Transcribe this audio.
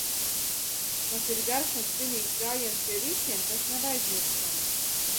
Tas ir garš un svinīgs gājiens pie visiem, kas dārgi un nav aizmirstami.